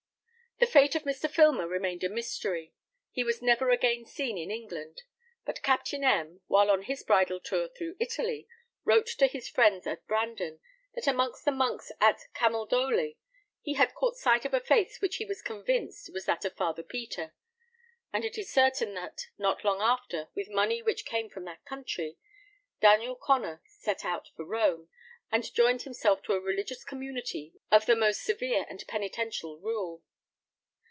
The fate of Mr. Filmer remained a mystery. He was never again seen in England; but Captain M , while on his bridal tour through Italy, wrote to his friends at Brandon, that amongst the monks at Camaldoli he had caught sight of a face which he was convinced was that of Father Peter; and it is certain that, not long after, with money which came from that country, Daniel Connor set out for Rome, and joined himself to a religious community of the most severe and penitential rule.